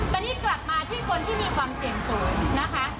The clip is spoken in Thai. ตอนนี้กลับมาที่คนที่มีความเสี่ยงสูงนะคะ